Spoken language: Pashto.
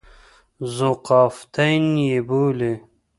ذوقافیتین یې بولي.